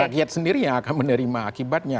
rakyat sendiri yang akan menerima akibatnya